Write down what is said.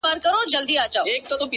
• مسافر پر لاري ځکه د ارمان سلګی وهمه,